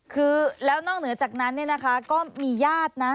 คือแล้วนอกเหนือจากนั้นเนี่ยนะคะก็มีญาตินะ